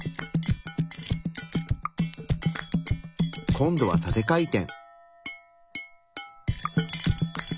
今度は縦回転。